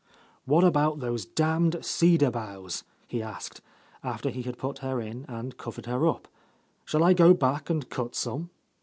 "What about those damaed cedar boughs?" he asked, after he had put her in and covered her up. "Shall I go back and cut some